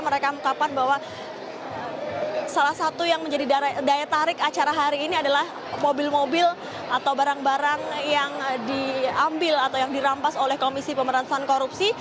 mereka mengungkapkan bahwa salah satu yang menjadi daya tarik acara hari ini adalah mobil mobil atau barang barang yang diambil atau yang dirampas oleh komisi pemerintahan korupsi